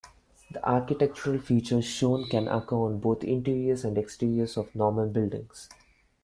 The architectural features shown can occur on both interiors and exteriors of Norman buildings.